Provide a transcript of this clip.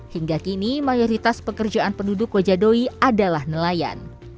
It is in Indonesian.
hingga kini mayoritas pekerjaan penduduk kojadoi adalah nelayan